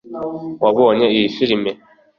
wabonye iyi firime?